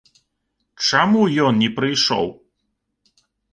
Чаму ён не прыйшоў?